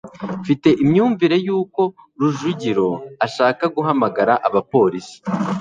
mfite imyumvire yuko rujugiro ashaka guhamagara abapolisi